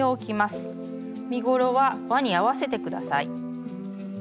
身ごろはわに合わせて下さい。